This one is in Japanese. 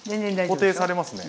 固定されますね。